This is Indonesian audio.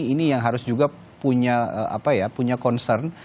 ini yang harus juga punya concern